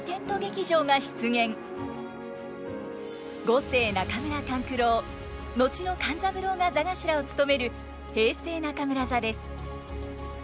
五世中村勘九郎後の勘三郎が座頭を務める平成中村座です。